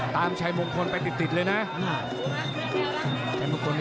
ชัยมงคลไปติดเลยนะ